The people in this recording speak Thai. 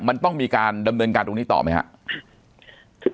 มันต้องมีการดำเนินการตรงนี้ต่อไหมครับ